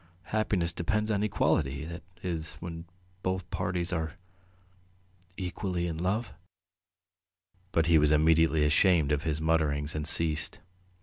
. happiness depends on equality that is, when both parties are ... equally in love. ..." But he was immediately ashamed of his mutterings and ceased.